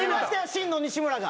真の西村が。